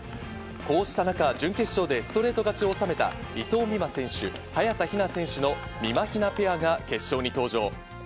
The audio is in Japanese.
こうした中、準決勝でストレート勝ちを収めた伊藤美誠選手・早田ひな選手のみまひなペアが決勝に登場。